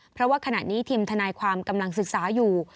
เพราะว่าขณะนี้ทีมทนายความกำลังศึกษาอยู่